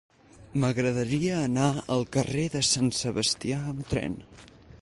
M'agradaria anar al carrer de Sant Sebastià amb tren.